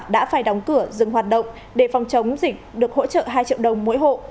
đã phải đóng cửa dừng hoạt động để phòng chống dịch được hỗ trợ hai triệu đồng mỗi hộ